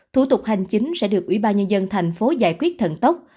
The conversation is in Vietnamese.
thủ tục hành chính sẽ được ủy ban nhân dân thành phố giải quyết thận tốc